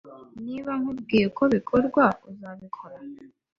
Niba nkubwiye uko bikorwa, uzabikora?